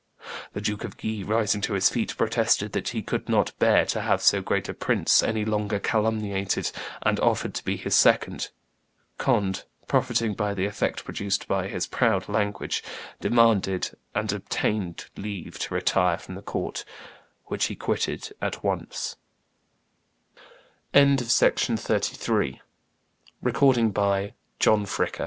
The Duke of Guise, rising to his feet, protested that he could not bear to have so great a prince any longer calumniated, and offered to be his second. Conde, profiting by the effect produced by his proud language, demanded and obtained leave to retire from the court, which he quitte